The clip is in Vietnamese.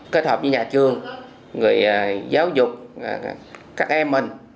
kết hợp với nhà trường người giáo dục các em mình